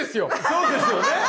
そうですよね。